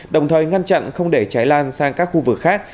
đồng thời ngăn chặn không để cháy lan sang các khu vực khác